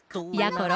ころ